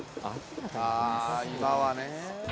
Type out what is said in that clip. あ今はね。